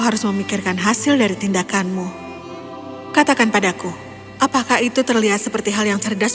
harus memikirkan hasil dari tindakanmu katakan padaku apakah itu terlihat seperti hal yang cerdas